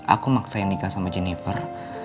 aku maksain nikah sama jennifer